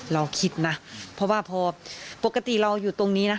เราคิดนะเพราะว่าพอปกติเราอยู่ตรงนี้นะ